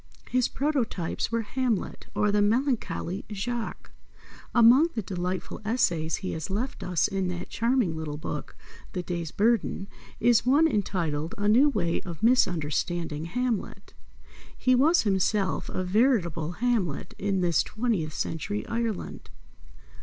His prototypes were Hamlet or the Melancholy Jacques. Among the delightful essays he has left us in that charming little book, The Day's Burden, is one entitled "A new way of misunderstanding Hamlet." He was himself a veritable Hamlet in this twentieth century Ireland.